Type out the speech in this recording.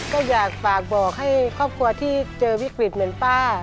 ก็อยากฝากบอกให้ครอบครัวที่เจอวิกฤตเหมือนป้า